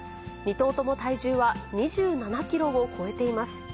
２頭とも体重は２７キロを超えています。